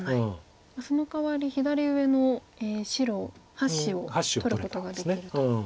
そのかわり左上の白８子を取ることができると。